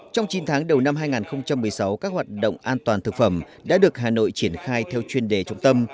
trong chín tháng đầu năm hai nghìn một mươi sáu các hoạt động an toàn thực phẩm đã được hà nội triển khai theo chuyên đề trọng tâm